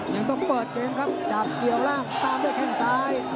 ยังต้องเปิดเกมครับจับเกี่ยวล่างตามด้วยแข้งซ้าย